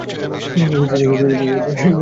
অজিতকুমার চক্রবর্তী একজন বাঙালি সাহিত্যিক।